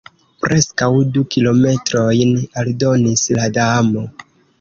"Preskaŭ du kilometrojn," aldonis la Damo.